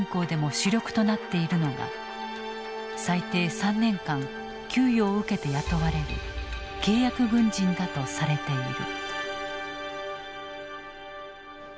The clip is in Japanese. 主力となっているのが最低３年間給与を受けて雇われる契約軍人だとされている。